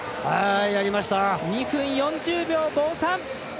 ２分４０秒５３。